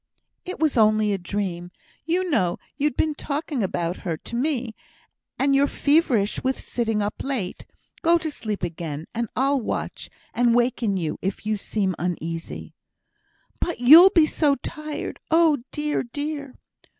"It was only a dream; you know you'd been talking about her to me, and you're feverish with sitting up late. Go to sleep again, and I'll watch, and waken you if you seem uneasy." "But you'll be so tired. Oh, dear! dear!"